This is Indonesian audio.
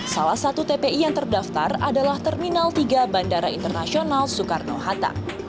salah satu tpi yang terdaftar adalah terminal tiga bandara internasional soekarno hatta